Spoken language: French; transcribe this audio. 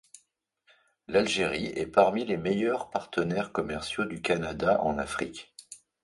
L'Algérie est parmi les meilleurs partenaires commerciaux du Canada en Afrique.